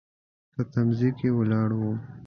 په تم ځای کې ولاړ و.